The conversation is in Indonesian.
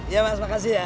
iya mas makasih ya